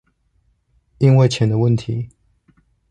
因為錢的問題